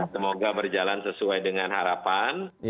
semoga berjalan sesuai dengan harapan